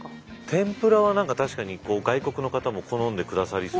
天ぷらは確かに外国の方も好んでくださりそうな。